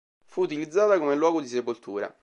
Fu utilizzata come luogo di sepoltura.